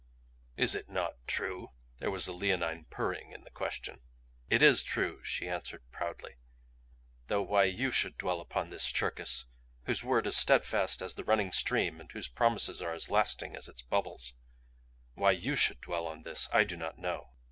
"Is it not true?" There was a leonine purring in the question. "It IS true!" she answered proudly. "Though why YOU should dwell upon this, Cherkis, whose word is steadfast as the running stream and whose promises are as lasting as its bubbles why YOU should dwell on this I do not know."